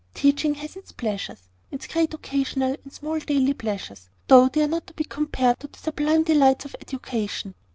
Teaching has its pleasures, its great occasional, and small daily pleasures, though they are not to be compared to the sublime delights of education."